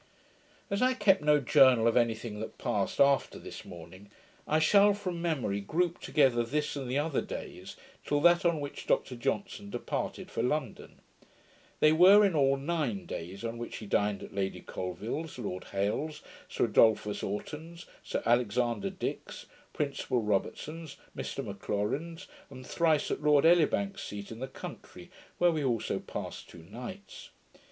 As I kept no journal of any thing that passed after this morning, I shall, from memory, group together this and the other days, till that on which Dr Johnson departed for London. They were in all nine days; on which he dined at Lady Colvill's, Lord Hailes's, Sir Adolphus Oughton's, Sir Alexander Dick's, Principal Robertson's, Mr McLaurin's, and thrice at Lord Elibank's seat in the country, where we also passed two nights.